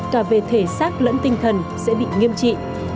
cả về thể xác lẫn tinh thần sẽ bị nghiêm trị